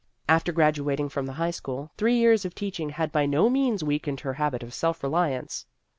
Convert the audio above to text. After gradu ating from the high school, three years of teaching had by no means weakened her habit of self reliance.